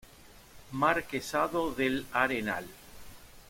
Marquesado del Arenal